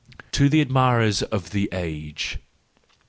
To the Admirers of the Age